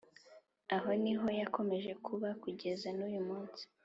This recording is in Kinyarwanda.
Aho ni ho yakomeje kuba kugeza n uyu munsi.